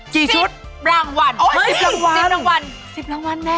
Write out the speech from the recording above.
กี่ชุดสิบรางวัลสิบรางวัลสิบรางวัลสิบรางวัลแม่